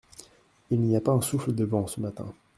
Il n’y a pas un souffle de vent ce matin.